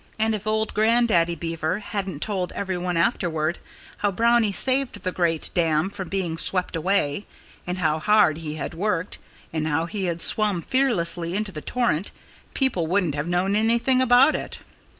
And if old Grandaddy Beaver hadn't told everyone afterward, how Brownie saved the great dam from being swept away, and how hard he had worked, and how he had swum fearlessly into the torrent, people wouldn't have known anything about it.